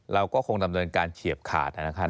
เราก็คงดำเนินการเฉียบขาดนะครับ